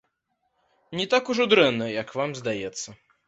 Не так ужо дрэнна, як вам здаецца.